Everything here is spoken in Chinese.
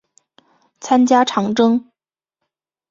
参加长征。